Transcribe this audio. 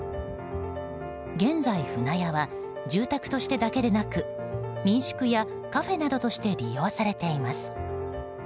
現在、舟屋は住宅としてだけでなく民宿やカフェなどとして利用されています。